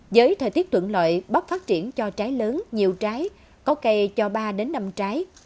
với thời tiết thuận lợi bắp phát triển cho trái lớn nhiều trái có cây cho ba đến năm trái